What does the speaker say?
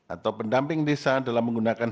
atau pendamping desa dalam menggunakan